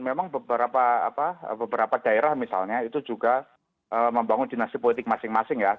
memang beberapa daerah misalnya itu juga membangun dinasti politik masing masing ya